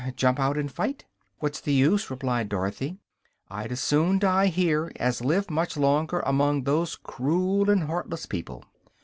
Jump out and fight?" "What's the use?" replied Dorothy. "I'd as soon die here as live much longer among those cruel and heartless people."